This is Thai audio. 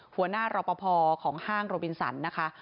หัวหน้ารอปภของห้างโรบินสันนะคะ